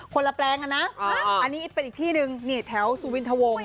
ละแปลงอ่ะนะอันนี้เป็นอีกที่หนึ่งนี่แถวสุวินทวง